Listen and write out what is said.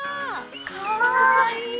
かわいい！